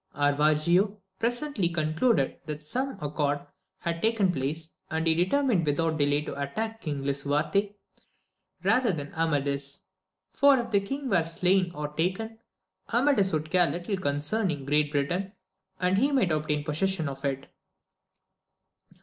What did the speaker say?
Aravigo presently concluded that some accord had taken place, and he determined without delay to attack Ling Lisu arte rather than Amadis ; for if the king were slain or taken, Amadis would care little concerning Great Britain, and he might obtain possession of it.